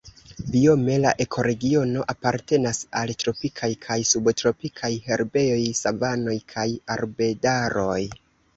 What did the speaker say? Biome la ekoregiono apartenas al tropikaj kaj subtropikaj herbejoj, savanoj kaj arbedaroj.